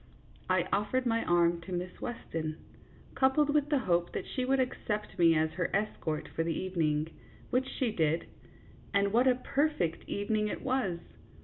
I offered my arm to Miss Weston, coupled with the hope that she would accept me as her es cort for the evening, which she did, and what a per fect evening it was